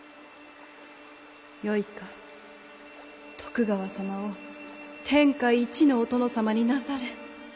よいか徳川様を天下一のお殿様になされ。